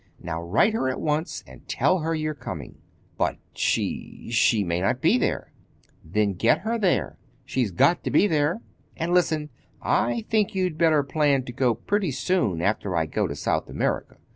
Now, write her at once, and tell her you're coming." "But she—she may not be there." "Then get her there. She's got to be there. And, listen. I think you'd better plan to go pretty soon after I go to South America.